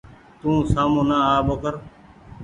تو سآمو نآ آ ٻوکر۔